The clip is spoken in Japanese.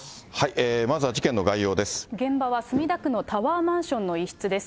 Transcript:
現場は墨田区のタワーマンションの一室です。